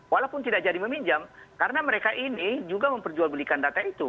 walaupun tidak jadi meminjam karena mereka ini juga memperjualbelikan data itu